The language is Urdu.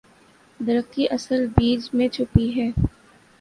درخت کی اصل بیج میں چھپی ہے۔